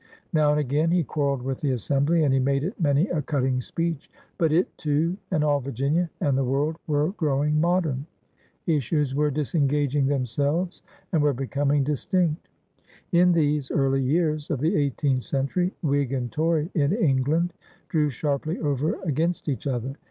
Now and again he quarreled with the Assembly, and he made it many a cutting speech. But it, too, and all Virginia and the world were growing modem. Issues were disengaging themselves and were becoming distinct. In these «2 nONEERS OP THE OLD SOUTH early years of the eighteenth century. Whig and Tory in England drew sharply over against each other.